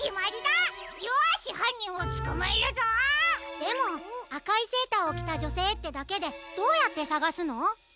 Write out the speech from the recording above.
でもあかいセーターをきたじょせいってだけでどうやってさがすの？